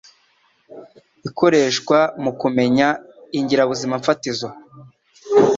ikoreshwa mu kumenya ingirabuzimafatizo